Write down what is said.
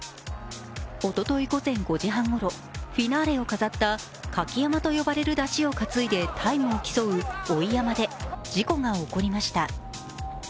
おととい午前５時半ごろフィナーレを飾った舁き山笠と呼ばれる山車をかついでタイムを競う追い山笠で事故が起こりました。